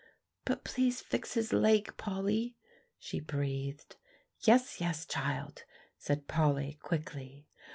"But please fix his leg, Polly," she breathed. "Yes, yes, child," said Polly quickly.